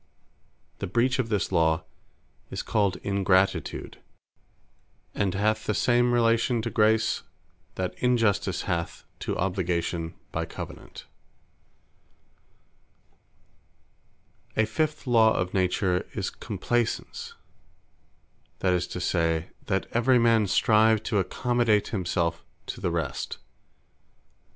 The breach of this Law, is called Ingratitude; and hath the same relation to Grace, that Injustice hath to Obligation by Covenant. The Fifth, Mutuall accommodation, or Compleasance A fifth Law of Nature, is COMPLEASANCE; that is to say, "That every man strive to accommodate himselfe to the rest."